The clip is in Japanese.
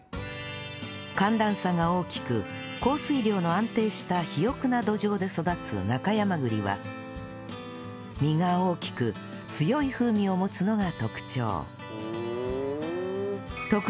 寒暖差が大きく降水量の安定した肥沃な土壌で育つ中山栗は実が大きく強い風味を持つのが特徴ふん。